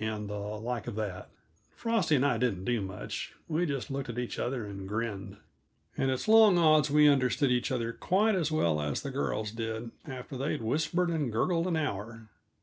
and the like of that. Frosty and I didn't do much; we just looked at each other and grinned. And it's long odds we understood each other quite as well as the girls did after they'd whispered and gurgled an hour.